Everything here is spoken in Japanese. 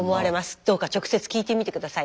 どうか直接聞いてみて下さい。